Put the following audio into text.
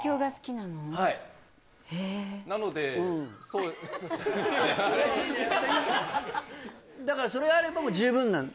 なのでへえうんそうだからそれがあれば十分なの？